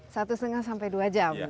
satu setengah sampai dua jam